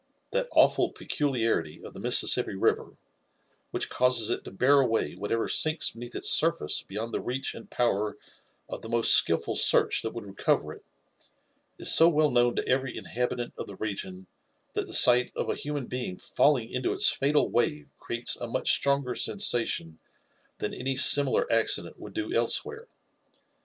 That awful peculiarity of the Mississippi river, which causes it to bear away whatever sinks beneath its surface beyond the reach and power of the most skilful search that would rccoTer it, is so well known to every inhabitant of the region, that the sight of a human being falling into its fatal wave creates a much stronger sensation than any . similar accident would do elsewhere.